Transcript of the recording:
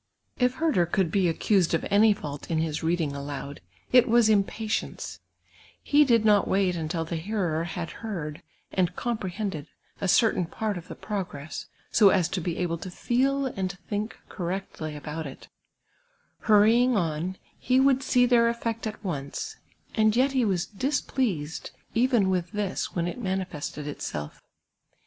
If Herder could be accused of any fault in his reading aloud, it was impatience ; he did not wait until the hearer had heard and comprehended a certain part of the progress, so as to be able to feel and think correctly about it ; hurrying on, he would see their effect at once, and yet he was dis])leased even with this when it manifested itself.